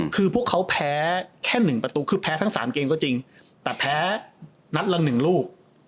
คือพวกเขาแพ้แค่๑ประตูคือแพ้ทั้ง๓เกมก็จริงแต่แพ้นัดละ๑ลูก